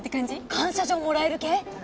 感謝状もらえる系？